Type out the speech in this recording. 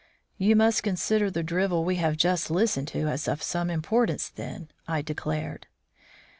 "You must consider the drivel we have just listened to as of some importance, then," I declared.